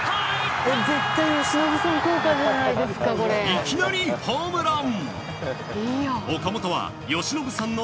いきなりホームラン。